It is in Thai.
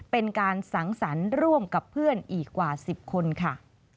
เป็นการสังสรรค์ร่วมกับเพื่อนอีกกว่า๑๐คนค่ะ